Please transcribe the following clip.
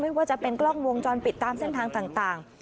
ว่าจะเป็นกล้องวงจรปิดตามเส้นทางต่าง